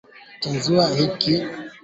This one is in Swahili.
Tezi kupanuka